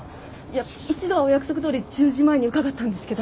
いや一度はお約束どおり１０時前に伺ったんですけど。